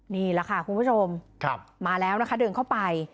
นี่แหละค่ะคุณผู้ชมมาแล้วนะคะเดินเข้าไป